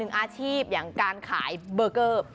ค้าไปดูอีกหนึ่งอาชีพอย่างการขายเบอร์เกอร์